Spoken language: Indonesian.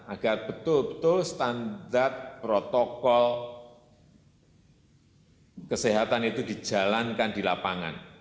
agar betul betul standar protokol kesehatan itu dijalankan di lapangan